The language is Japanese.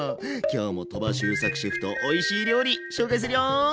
今日も鳥羽周作シェフとおいしい料理紹介するよ！